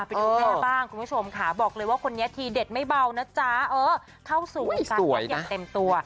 ไปดูแม่บ้างคุณผู้ชมค่ะบอกเลยว่าคนนี้ทีเด็ดไม่เบานะจ๊ะเออเข้าสู่วงการวัดอย่างเต็มตัว